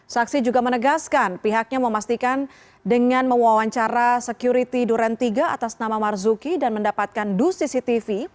saksi juga menegaskan pihaknya memastikan dengan mewawancara security duren tiga atas nama marzuki dan mendapatkan dus cctv